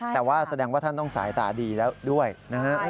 แต่ว่าแสดงว่าท่านต้องสายตาดีแล้วด้วยนะฮะ